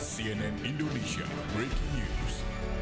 cnn indonesia breaking news